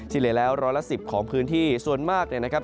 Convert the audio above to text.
เฉลี่ยแล้วร้อยละสิบของพื้นที่ส่วนมากเนี่ยนะครับ